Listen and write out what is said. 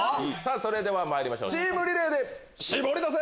それではまいりましょうチームリレーでシボリダセ！